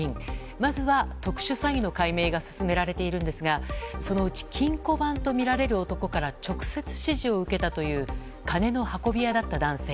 まずは特殊詐欺の解明が進められているんですがそのうち金庫番とみられる男から直接指示を受けたという金の運び屋だった男性。